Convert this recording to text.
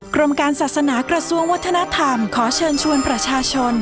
กรมการศาสนากระทรวงวัฒนธรรมขอเชิญชวนประชาชน